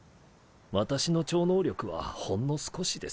私の超能力はほんの少しです。